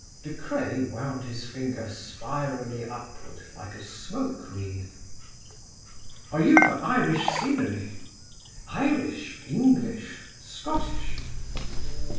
De Craye wound his finger spirally upward, like a smoke wreath. "Are you for Irish scenery?" "Irish, English, Scottish."